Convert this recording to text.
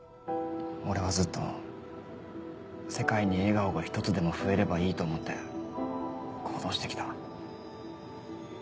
俺はずっと世界に笑顔が１つでも増えればいいと思って行動して来た。